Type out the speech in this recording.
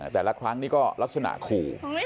แต่ละครั้งนี้ก็ลักษณะขู่